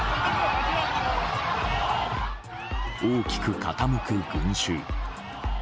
大きく傾く群衆。